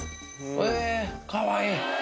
へぇかわいい！